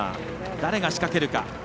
誰が仕掛けるか。